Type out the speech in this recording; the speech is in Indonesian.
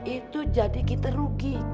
itu jadi kita rugi